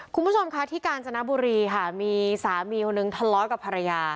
คุณผู้ชมค่ะที่กาญจนบุรีค่ะมีสามีคนนึงทะเลาะกับภรรยา